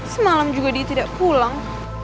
semalam juga dia tidak pulang